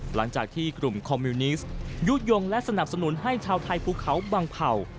หลังจากที่กลุ่มคอมมิวนิสต์ยุดยงและสนับสนุนให้ชาวไทยภูเขาบังเผ่า